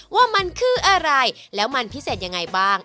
ว่ามันคืออะไรแล้วมันพิเศษยังไงบ้าง